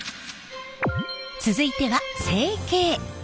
続いては成形。